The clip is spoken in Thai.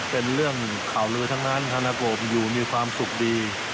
เป็นเรื่องข่าวลือทั้งนั้นธนโกบอยู่มีความสุขดี